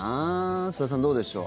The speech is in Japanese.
須田さん、どうでしょう。